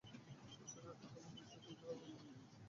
সেখানে তাহার বন্ধু জুটিল মতি।